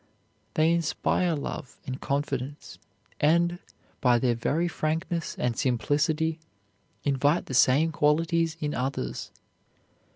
They inspire love and confidence, and, by their very frankness and simplicity, invite the same qualities in others.